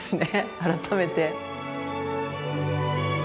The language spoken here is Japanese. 改めて。